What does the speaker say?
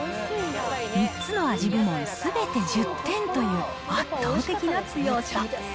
３つの味部門すべて１０点という圧倒的な強さ。